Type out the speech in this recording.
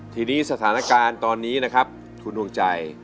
ทีนี้สถานการณ์ตอนนี้นะครับคุณดวงใจ